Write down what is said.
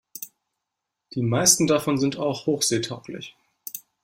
Die meisten davon sind auch hochseetauglich.